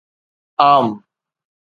عام